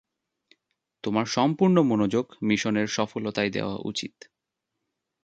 তোমার সম্পূর্ণ মনোযোগ মিশনের সফলতায় দেওয়া উচিত।